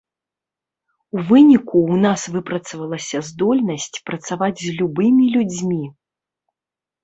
У выніку ў нас выпрацавалася здольнасць працаваць з любымі людзьмі.